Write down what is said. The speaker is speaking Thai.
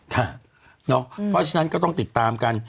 ค่ะเนาะเพราะฉะนั้นก็ต้องติดตามกัน